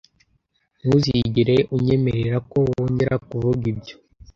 Ntuzigere unyemerera ko wongera kuvuga ibyo.